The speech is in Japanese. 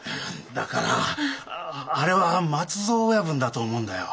だからああれは松蔵親分だと思うんだよ。